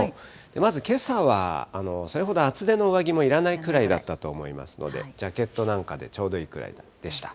まずけさは、それほど厚手の上着もいらないくらいだったと思いますので、ジャケットなんかでちょうどいいくらいでした。